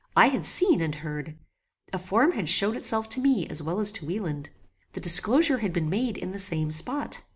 I had seen and heard. A form had showed itself to me as well as to Wieland. The disclosure had been made in the same spot.